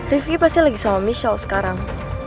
rifki pasti lagi sama michelle sekarang